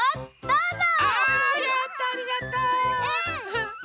どうぞ！